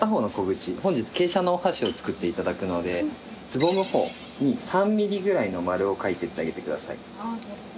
本日傾斜のお箸をつくっていただくのですぼむ方に３ｍｍぐらいの丸を描いてってあげてください。